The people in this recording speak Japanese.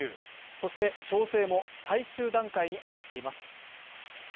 そして、調整も最終段階に入っています。